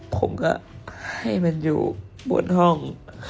ผมก็ให้มันอยู่บนห้อง